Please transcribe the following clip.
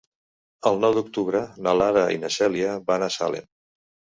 El nou d'octubre na Lara i na Cèlia van a Salem.